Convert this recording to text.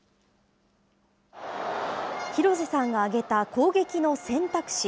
廣瀬さんが挙げた攻撃の選択肢。